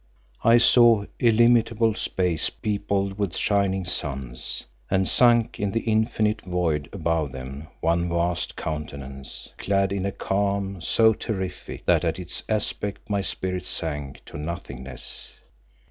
I saw illimitable space peopled with shining suns, and sunk in the infinite void above them one vast Countenance clad in a calm so terrific that at its aspect my spirit sank to nothingness.